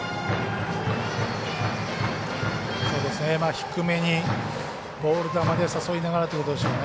低めにボール球で誘いながらということでしょうね。